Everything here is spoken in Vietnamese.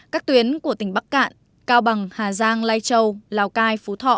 các tuyến của tỉnh bắc cạn cao bằng hà giang lai châu lào cai phú thọ